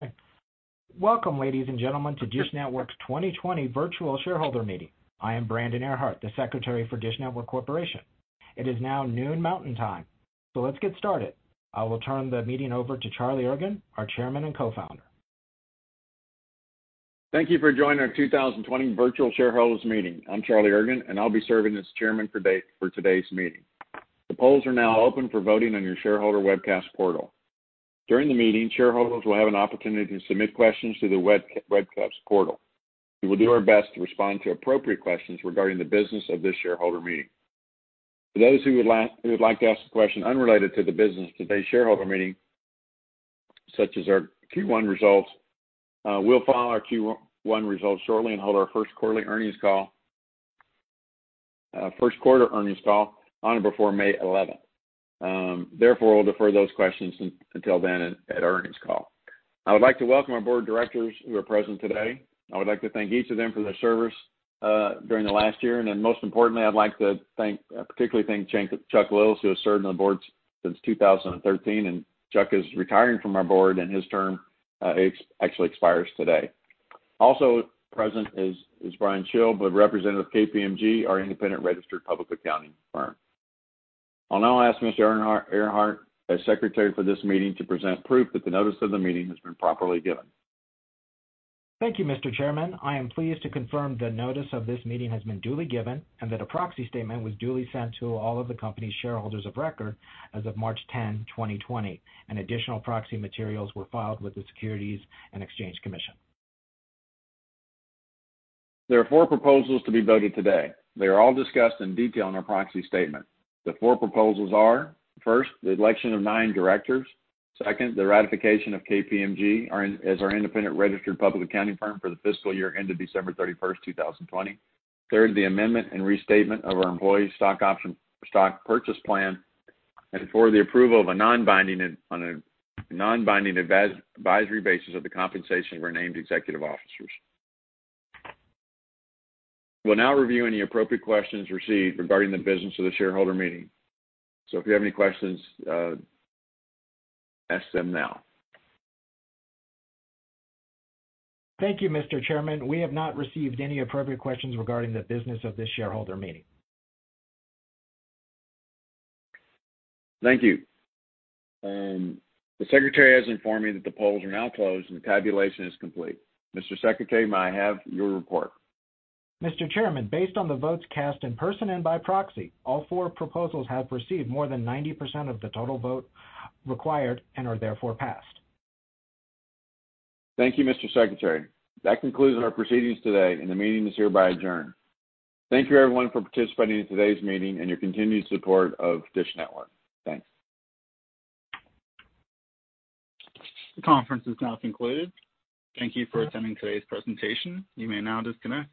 Welcome, ladies and gentlemen, to DISH Network's 2020 virtual shareholder meeting. I am Brandon Ehrhart, the secretary for DISH Network Corporation. It is now noon Mountain time. Let's get started. I will turn the meeting over to Charlie Ergen, our Chairman and Co-founder. Thank you for joining our 2020 virtual shareholders meeting. I'm Charlie Ergen, I'll be serving as Chairman for today's meeting. The polls are now open for voting on your shareholder webcast portal. During the meeting, shareholders will have an opportunity to submit questions through the webcast portal. We will do our best to respond to appropriate questions regarding the business of this shareholder meeting. For those who would like to ask a question unrelated to the business of today's shareholder meeting, such as our Q1 results, we'll file our Q1 results shortly and hold our first quarterly earnings call, first quarter earnings call on or before May 11. Therefore, we'll defer those questions until then at earnings call. I would like to welcome our board of directors who are present today. I would like to thank each of them for their service during the last year. Most importantly, I'd like to thank, particularly thank Chuck Willis, who has served on the board since 2013. Chuck is retiring from our board, and his term actually expires today. Also present is Brian Kyhl, the representative of KPMG, our independent registered public accounting firm. I'll now ask Mr. Ehrhart, as Secretary for this meeting, to present proof that the notice of the meeting has been properly given. Thank you, Mr. Chairman. I am pleased to confirm the notice of this meeting has been duly given and that a proxy statement was duly sent to all of the company's shareholders of record as of March 10, 2020. Additional proxy materials were filed with the Securities and Exchange Commission. There are four proposals to be voted today. They are all discussed in detail in our proxy statement. The 4 proposals are, first, the election of nine directors. Second, the ratification of KPMG as our independent registered public accounting firm for the fiscal year end of December 31, 2020. Third, the amendment and restatement of our employee stock purchase plan. Fourth, the approval of a non-binding advisory basis of the compensation of our named executive officers. We'll now review any appropriate questions received regarding the business of the shareholder meeting. If you have any questions, ask them now. Thank you, Mr. Chairman. We have not received any appropriate questions regarding the business of this shareholder meeting. Thank you. The secretary has informed me that the polls are now closed and the tabulation is complete. Mr. Secretary, may I have your report? Mr. Chairman, based on the votes cast in person and by proxy, all four proposals have received more than 90% of the total vote required and are therefore passed. Thank you, Mr. Secretary. That concludes our proceedings today, and the meeting is hereby adjourned. Thank you, everyone, for participating in today's meeting and your continued support of DISH Network. Thanks. The conference is now concluded. Thank you for attending today's presentation. You may now disconnect.